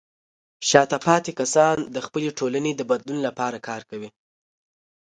شاته پاتې کسان د خپلې ټولنې د بدلون لپاره کار کوي.